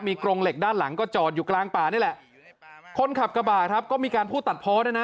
กรงเหล็กด้านหลังก็จอดอยู่กลางป่านี่แหละคนขับกระบะครับก็มีการพูดตัดเพาะด้วยนะ